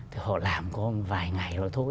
thì họ làm có vài ngày rồi thôi